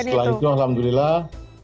setelah itu alhamdulillah